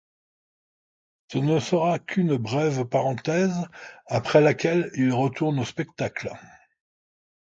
Ce ne sera qu'une brève parenthèse, après laquelle il retourne au spectacle.